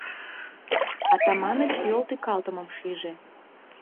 Атаманыч йол тӱкалтымым шиже.